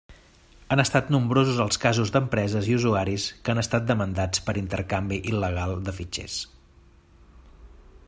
Han estat nombrosos els casos d'empreses i usuaris que han estat demandats per intercanvi il·legal de fitxers.